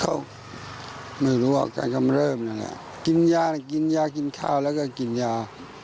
เขาไม่รู้ว่าการกำเริ่มนั่นแหละกินยาน่ะกินยากินข้าวแล้วก็กินยา